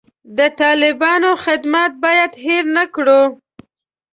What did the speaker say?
د طالبانو خدمت باید هیر نه کړو.